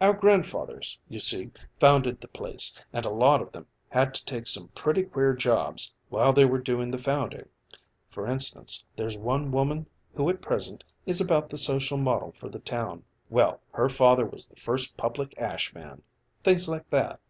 "Our grandfathers, you see, founded the place, and a lot of them had to take some pretty queer jobs while they were doing the founding. For instance there's one woman who at present is about the social model for the town; well, her father was the first public ash man things like that."